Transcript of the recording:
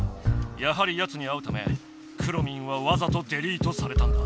やはりやつに会うためくろミンはわざとデリートされたんだ。